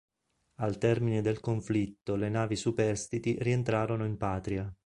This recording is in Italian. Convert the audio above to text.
Al termine del conflitto le navi superstiti rientrarono in patria.